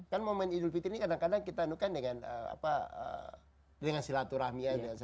kan momen idul fitri ini kadang kadang kita anukan dengan silaturahmi aja